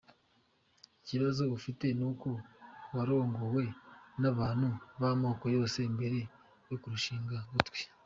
ikibazo ufite nuko warongowe n’abantu b’amoko yose mbere yo kurushinga, butwi.